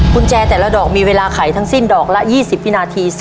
กุญแจแต่ละดอกมีเวลาไขทั้งสิ้นดอกละ๒๐วินาที